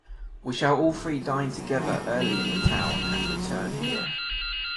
We shall all three dine together early in town, and return here.